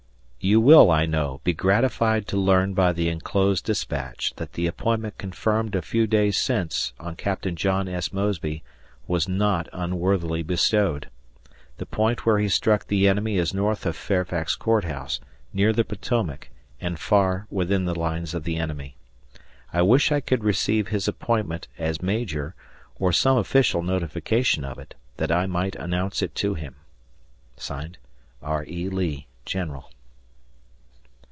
You will, I know, be gratified to learn by the enclosed despatch that the appointment conferred a few days since on Captain John S. Mosby was not unworthily bestowed. The point where he struck the enemy is north of Fairfax Court House, near the Potomac, and far within the lines of the enemy. I wish I could receive his appointment (as major) or some official notification of it, that I might announce it to him. R. E. Lee, General.